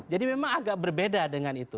jadi memang agak berbeda dengan itu